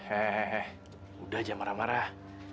hehehe udah aja marah marah